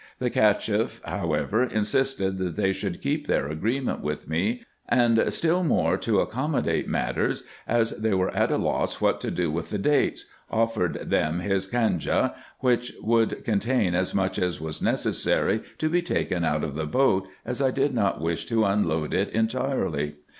The Cacheff, however, insisted that they should keep their agreement with me ; and still more to accommodate matters, as they were at a loss what to do with the dates, offered them his canja, which would contain as much as was necessary to be taken out of the boat, as I did not wish to unload it entirely.